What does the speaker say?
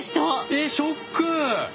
えショック！